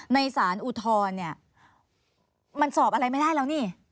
ในสารอุทธรณ์เนี่ยมันสอบอะไรไม่ได้แล้วนี่